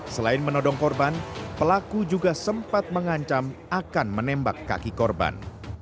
selain menodong korban pelaku juga sempat mengancam akan menembak kaki korban